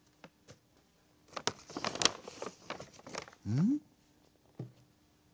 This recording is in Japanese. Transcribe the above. うん？